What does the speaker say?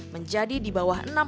menjadi di bawah